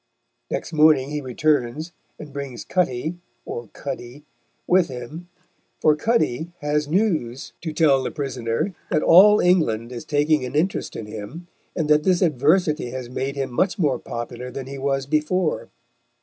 Next morning he returns and brings Cutty, or Cuddy, with him, for Cuddy has news to tell the prisoner that all England is taking an interest in him, and that this adversity has made him much more popular than he was before.